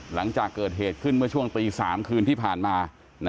หลังจากเกิดเหตุขึ้นเมื่อช่วงตี๓คืนที่ผ่านมา